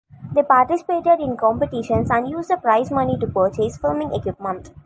They participated in competitions and used the prize money to purchase filming equipment.